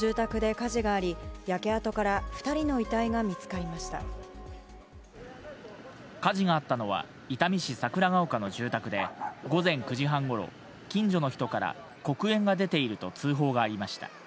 火事があったのは、伊丹市桜ケ丘の住宅で、午前９時半ごろ、近所の人から黒煙が出ていると通報がありました。